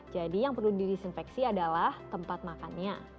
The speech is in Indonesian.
jadi yang perlu disinfeksi adalah tempat makannya